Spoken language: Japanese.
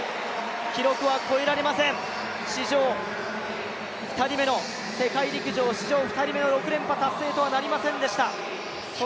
記録は超えられません、史上２人目の６連覇達成とはなりませんでした。